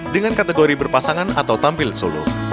dengan kategori berpasangan atau tampil solo